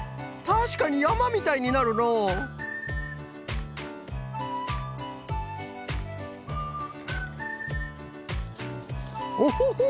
たしかにやまみたいになるのうオホホ！